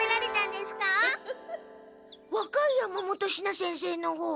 わかい山本シナ先生のほう。